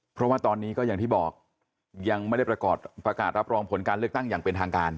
เพราะว่าตอนนี้ก็อย่างที่บอกยังไม่ได้ประกาศรับรองผลการเลือกตั้งอย่างเป็นทางการ